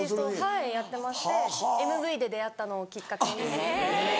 はいやってましてＭＶで出会ったのをきっかけに。